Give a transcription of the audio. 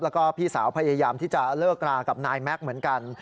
แล้วก็พี่สาวพยายามที่จะเลิกรากับนายแม็กซ์เหมือนกัน